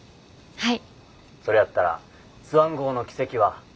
はい。